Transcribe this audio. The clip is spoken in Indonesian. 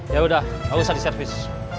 ya udah gak usah di servis